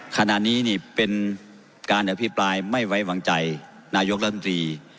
ขณะนี้นี่เป็นการอภิปรายไม่ไว้วางใจนายกรัฐมนตรี